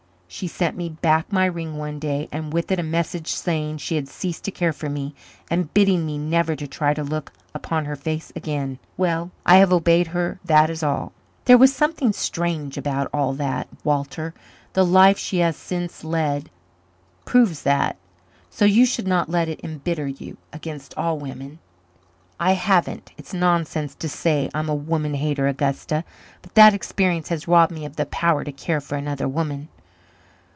She sent me back my ring one day and with it a message saying she had ceased to care for me and bidding me never to try to look upon her face again. Well, I have obeyed her, that is all." "There was something strange about all that, Walter. The life she has since led proves that. So you should not let it embitter you against all women." "I haven't. It's nonsense to say I'm a woman hater, Augusta. But that experience has robbed me of the power to care for another woman."